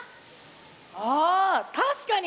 ああたしかに！